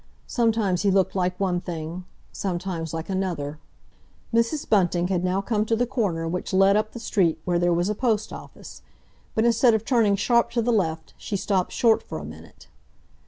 Sometimes he looked like one thing, sometimes like another ... Mrs. Bunting had now come to the corner which led up the street where there was a Post Office. But instead of turning sharp to the left she stopped short for a minute.